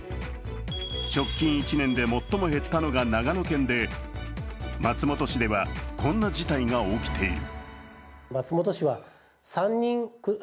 直近１年で最も減ったのが長野県で、松本市ではこんな事態が起きている。